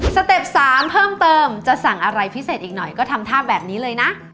เต็ป๓เพิ่มเติมจะสั่งอะไรพิเศษอีกหน่อยก็ทำท่าแบบนี้เลยนะ